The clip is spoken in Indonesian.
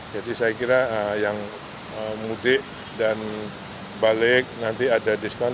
jadi saya kira yang mudik dan balik nanti ada diskon